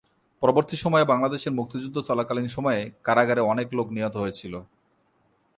পরবর্তী সময়ে বাংলাদেশের মুক্তিযুদ্ধ চলাকালীন সময়ে কারাগারে অনেক লোক নিহত হয়েছিল।